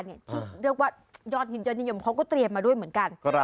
ที่เรียกว่ายอดหินยอดนิยมเขาก็เตรียมมาด้วยเหมือนกัน